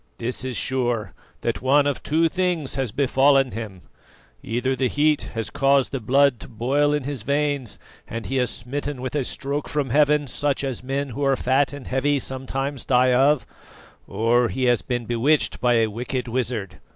This is sure, that one of two things has befallen him: either the heat has caused the blood to boil in his veins and he is smitten with a stroke from heaven, such as men who are fat and heavy sometimes die of; or he has been bewitched by a wicked wizard.